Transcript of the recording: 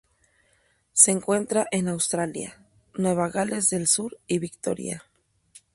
Se encuentra en Australia: Nueva Gales del Sur y Victoria.